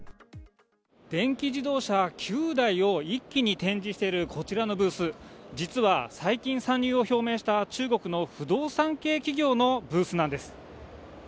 電気自動車９台を一気に展示しているこちらのブース、実は最近参入を表明した、中国の不動産系企業のブースなんです。